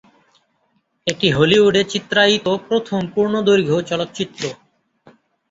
এটি হলিউডে চিত্রায়িত প্রথম পূর্ণদৈর্ঘ্য চলচ্চিত্র।